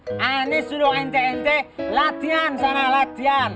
ini suruh ente ente latihan sana latihan